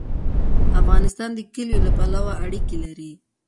افغانستان د کلیو له پلوه اړیکې لري.